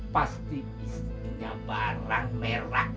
pasti istinya barang merah